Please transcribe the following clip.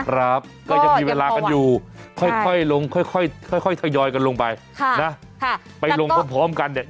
ครับก็ยังมีเวลากันอยู่ค่อยลงค่อยทยอยกันลงไปไปลงพร้อมกันเนี่ย